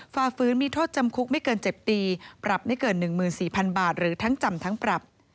ฝ่าฟื้นมีโทษจำคุกไม่เกิน๗ปีปรับไม่เกิน๑๔๐๐๐บาทหรือทั้งจำทั้งปรับ